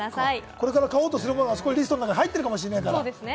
これから買おうとするものがリストに入ってるかもしれないから。